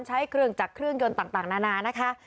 ใช้เครื่องจักรเครื่องยนต์ต่างนานานะคะ